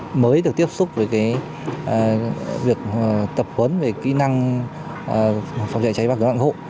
chúng tôi đã tiếp xúc với việc tập huấn về kỹ năng phòng chạy cháy bắt cửa đoạn hộ